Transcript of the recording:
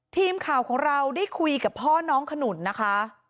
ทีมข่าวของเราได้คุยกับพ่อน้องขนุนนะคะ